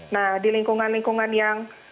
nah di lingkungan lingkungan yang